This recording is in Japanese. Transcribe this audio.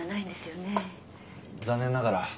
残念ながら。